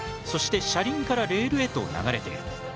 そして車輪からレールへと流れている。